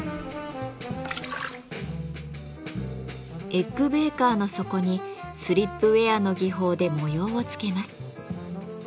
エッグ・ベーカーの底にスリップウェアの技法で模様をつけます。